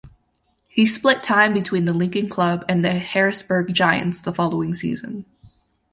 He split time between the Lincoln club and the Harrisburg Giants the following season.